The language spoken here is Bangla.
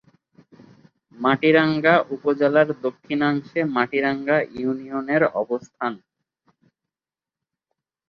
মাটিরাঙ্গা উপজেলার দক্ষিণাংশে মাটিরাঙ্গা ইউনিয়নের অবস্থান।